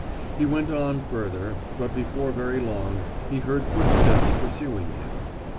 He went on further, but before very long he heard footsteps pursuing him.